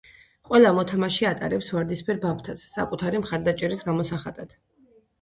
ყველა მოთამაშე ატარებს ვარდისფერ ბაფთას საკუთარი მხარდაჭერის გამოსახატად.